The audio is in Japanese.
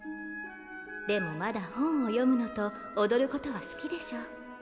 でも、まだ本を読むのと踊ることは好きでしょう。